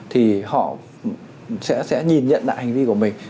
thì họ sẽ nhìn nhận lại hành vi của mình